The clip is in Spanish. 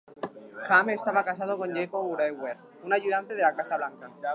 Ham estaba casado con Jacob Brewer, un ayudante de la Casa Blanca.